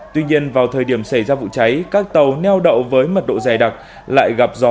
tuy nhiên vào thời điểm xảy ra vụ cháy các tàu neo đậu với mật độ dày đặc lại gặp gió